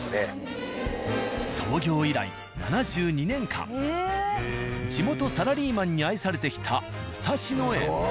創業以来７２年間地元サラリーマンに愛されてきた「武蔵野園」。